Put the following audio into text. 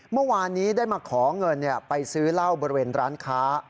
เมื่อวานนี้ได้มาขอเงินไปซื้อเหล้าบริเวณร้านค้า